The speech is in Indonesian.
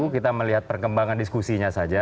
kita melihat perkembangan diskusinya saja